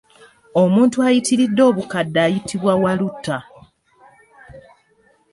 Omuntu ayitiridde obukadde ayitibwa “Wulutta”.